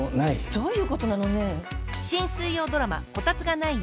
どういうことなの？ねぇ。